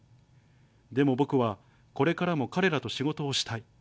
でも僕はこれからも彼らと仕事をしたい。